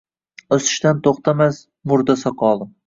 O‘sishdan to‘xtamas murda soqoli.